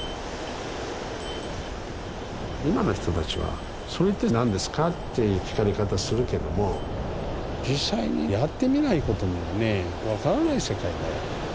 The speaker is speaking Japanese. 今の人たちは「それって何ですか？」って聞かれ方するけども実際にやってみないことにはね分からない世界だよ。